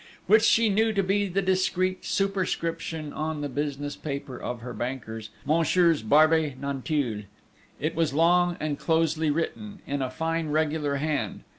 which she knew to be the discreet superscription on the business paper of her bankers, Messieurs Barbey Nanteuil. It was long and closely written, in a fine, regular hand.